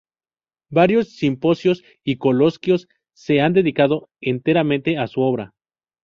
Varios simposios y coloquios se han dedicado enteramente a su obra.